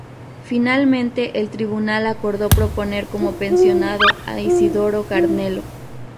Finalmente el tribunal acordó proponer como pensionado a Isidoro Garnelo.